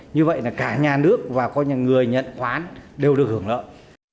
như vậy là cả nhà nước và người nhận khoán đều được hưởng lợi